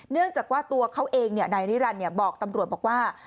เนื่องจากว่าตัวเขาเองนายนิรันดิ์บอกตำรวจบอกว่า